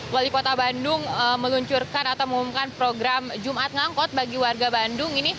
wali kota bandung meluncurkan atau mengumumkan program jumat ngangkot bagi warga bandung ini